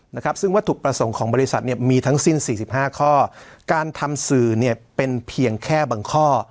นะครับซึ่งวัตถุประสงค์ของบริษัทเนี่ยมีทั้งสิ้นสี่สิบห้าข้อการทำสื่อเนี่ยเป็นเพียงแค่บางข้อ